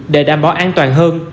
để đảm bảo an toàn hơn